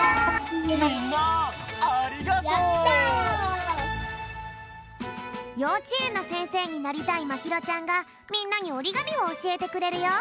わあっ！ようちえんのせんせいになりたいまひろちゃんがみんなにおりがみをおしえてくれるよ！